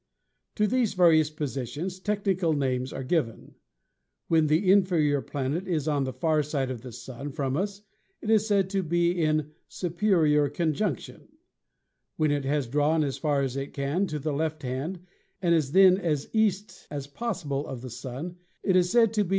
"To these various positions technical names are given. When the inferior planet is on the far side of the Sun from us it is said to be in 'Superior Conjunction.' When it has drawn as far as it can to the left hand, and is then as east as possible of the Sun, it is said to be at its 'Great 126 ASTRONOMY # Greatest , Western (■